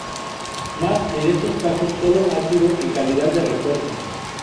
Mas en estos casos sólo ha sido en calidad de refuerzo.